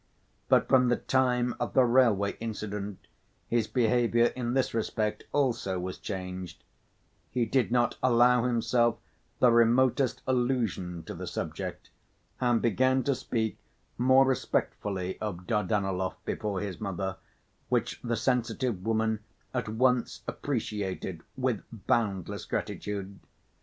But from the time of the railway incident his behavior in this respect also was changed; he did not allow himself the remotest allusion to the subject and began to speak more respectfully of Dardanelov before his mother, which the sensitive woman at once appreciated with boundless gratitude.